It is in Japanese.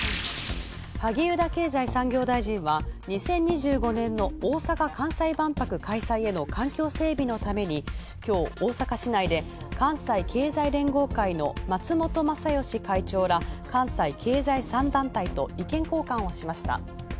萩生田経済産業大臣は２０２５年の大阪関西万環境整備のために今日、大阪市内で関西経済連合会の松本正義会長ら関西経済３団体と意見交換をした。